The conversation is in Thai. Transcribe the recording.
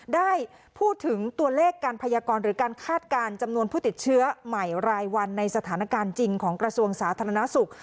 ได้พูดถึงตัวเลขการพยากรหรือการคาดการณ์จำนวนผู้ติดเชื้อใหม่รายวันในสถานการณ์จริงของกระทรวงสาธารณสุข